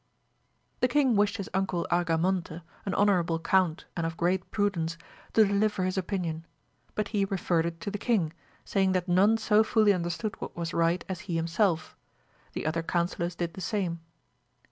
The king wished his uncle Argamonte, an honour able count and of great prudence, to deliver his opinion, but he referred it to the king, saying that none so fully umderstood what was right as he him self ; the other counsellors did the same.